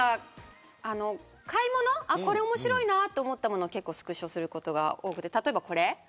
買い物で面白いなと思ったものスクショすることが多くて例えば、これ。